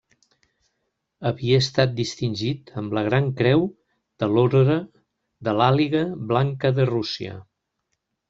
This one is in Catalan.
Havia estat distingit amb la Gran Creu de l'orde de l'Àliga Blanca de Rússia.